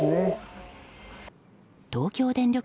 東京電力